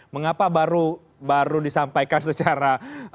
mengapa baru disampaikan secara